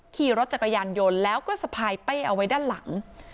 ขี่รถจักรยานยนต์แล้วก็สะพายเป้เอาไว้ด้านหลัง